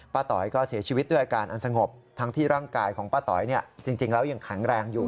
ต๋อยก็เสียชีวิตด้วยอาการอันสงบทั้งที่ร่างกายของป้าต๋อยจริงแล้วยังแข็งแรงอยู่